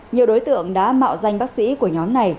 nhiều đối tượng đã mạo danh bác sĩ của nhóm này